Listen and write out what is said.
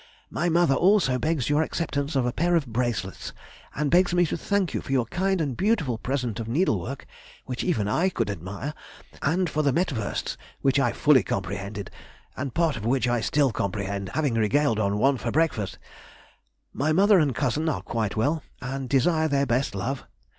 My mother also begs your acceptance of a pair of bracelets, and begs me to thank you for your kind and beautiful present of needlework (which even I could admire), and for the mettwursts (which I fully comprehended, and part of which I still comprehend, having regaled on one for breakfast). My mother and cousin are quite well, and desire their best love.